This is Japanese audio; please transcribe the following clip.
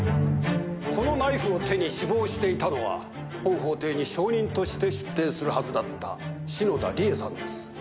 このナイフを手に死亡していたのは本法廷に証人として出廷するはずだった篠田理恵さんです。